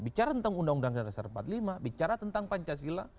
bicara tentang undang undang dasar empat puluh lima bicara tentang pancasila